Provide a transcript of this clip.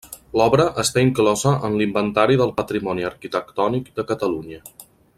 L'obra està inclosa en l'Inventari del Patrimoni Arquitectònic de Catalunya.